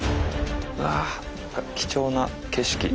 うわ貴重な景色。